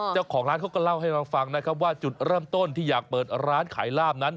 เจ้าของร้านเขาก็เล่าให้เราฟังนะครับว่าจุดเริ่มต้นที่อยากเปิดร้านขายลาบนั้น